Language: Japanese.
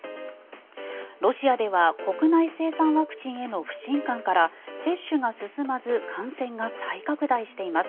ロシアでは国内生産ワクチンへの不信感から接種が進まず感染が再拡大しています。